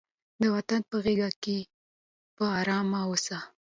د وطن په غېږ کې په ارامه اوسئ.